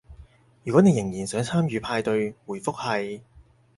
如果你仍然想參與派對，回覆係